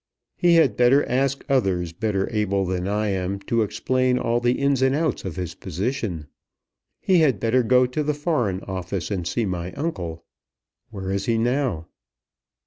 "He had better ask others better able than I am to explain all the ins and outs of his position. He had better go to the Foreign Office and see my uncle. Where is he now?"